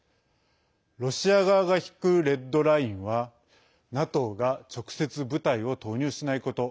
ロシア側が引くレッドラインはＮＡＴＯが直接部隊を投入しないこと。